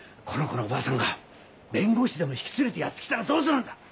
この子のおばあさんが弁護士でも引き連れてやってきたらどうするんだ！？